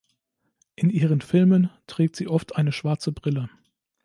In ihren Filmen trägt sie oft eine schwarze Brille.